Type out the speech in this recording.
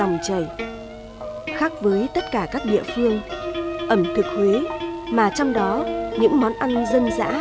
chảy khác với tất cả các địa phương ẩm thực huế mà trong đó những món ăn dân dã